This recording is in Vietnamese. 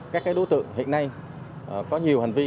các đối tượng hiện nay có nhiều hành vi